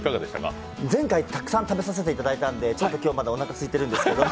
前回たくさん食べさせていただいたんでまだ、今日おなかすいているんですけど。